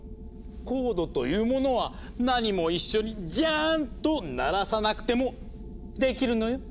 コードというものはなにも一緒に「ジャーン」と鳴らさなくてもできるのよ。